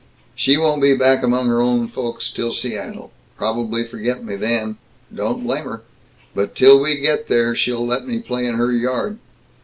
"She won't be back among her own folks till Seattle. Probably forget me then. Don't blame her. But till we get there, she'll let me play in her yard.